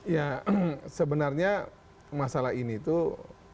ya sebenarnya masalah ini tuh